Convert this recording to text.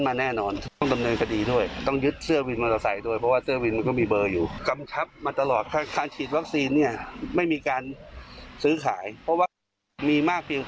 รัฐมนตรีวันพิมพ์บอกนะครับ